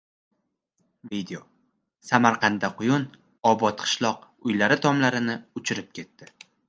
Video: Samarqandda quyun «Obod qishloq» uylari tomlarini uchirib ketdi